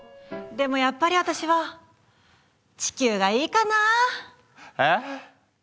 でもやっぱり私は地球がいいかな。え？